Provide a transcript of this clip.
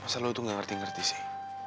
masa kamu itu tidak mengerti ngerti sih